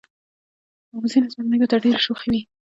وزې نسبت مېږو ته ډیری شوخی وی.